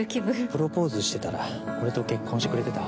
プロポーズしてたら俺と結婚してくれてた？